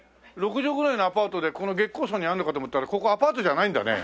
６畳ぐらいのアパートでこの月光荘にあるのかと思ったらここアパートじゃないんだね。